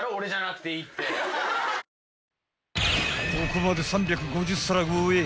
［ここまで３５０皿超え！